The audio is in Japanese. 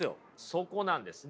そこなんですよ。